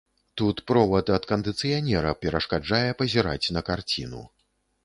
Тут провад ад кандыцыянера перашкаджае пазіраць на карціну.